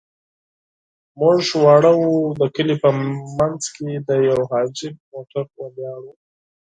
موږ واړه وو، د کلي په منځ کې د يوه حاجي موټر ولاړ و.